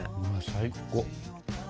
最高！